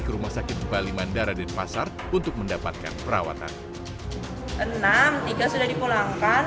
ke rumah sakit bali mandara denpasar untuk mendapatkan perawatan enam tiga sudah dipulangkan